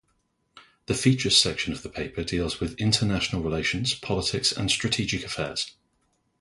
The Features section of the paper deals with international relations, politics and strategic affairs.